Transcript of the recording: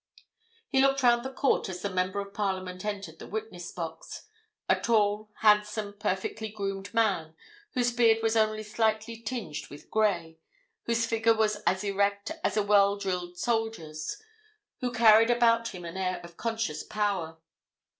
He looked round the court as the Member of Parliament entered the witness box—a tall, handsome, perfectly groomed man, whose beard was only slightly tinged with grey, whose figure was as erect as a well drilled soldier's, who carried about him an air of conscious power.